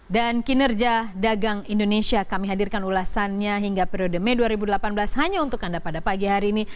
dan kinerja dagang indonesia kami hadirkan ulasannya hingga periode mei dua ribu delapan belas hanya untuk anda pada pagi hari ini